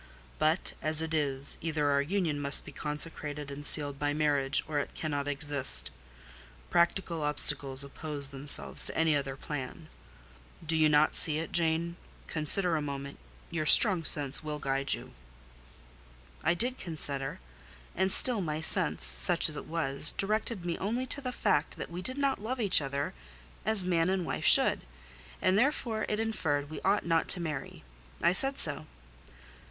But as it is, either our union must be consecrated and sealed by marriage, or it cannot exist: practical obstacles oppose themselves to any other plan. Do you not see it, Jane? Consider a moment—your strong sense will guide you." I did consider; and still my sense, such as it was, directed me only to the fact that we did not love each other as man and wife should: and therefore it inferred we ought not to marry. I said so.